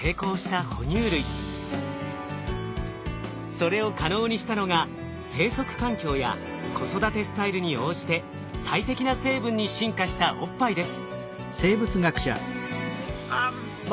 それを可能にしたのが生息環境や子育てスタイルに応じて最適な成分に進化したおっぱいです。